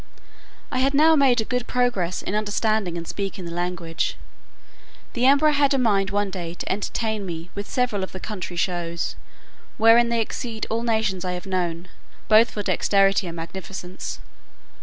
I had now made a good progress in understanding and speaking the language. The emperor had a mind one day to entertain me with several of the country shows, wherein they exceed all nations I have known, both for dexterity and magnificence.